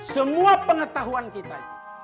semua pengetahuan kita